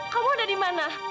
kamu ada dimana